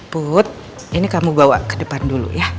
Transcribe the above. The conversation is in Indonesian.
put ini kamu bawa ke depan dulu ya